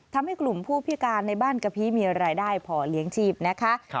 ทำให้กลุ่มผู้พิการในบ้านกะพีมีรายได้พอเลี้ยงชีพนะคะ